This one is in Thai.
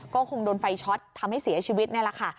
ก็คงโดนไฟช็อตทำให้เสียชีวิตนี่แหละค่ะ